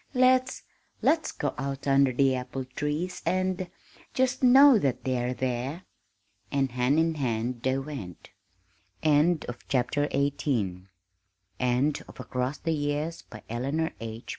Let's let's go out under the apple trees and just know that they are there!" And hand in hand they went. The End End of the Project Gutenberg EBook of Across the Years, by Eleanor H.